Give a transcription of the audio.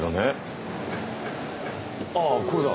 ああこれだ。